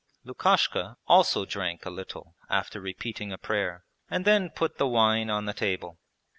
Lukashka also drank a little after repeating a prayer, and then put the wine on the table.